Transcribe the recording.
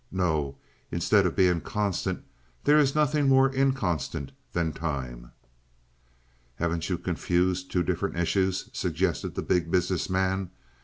No, instead of being constant, there is nothing more inconstant than time." "Haven't you confused two different issues?" suggested the Big Business Man.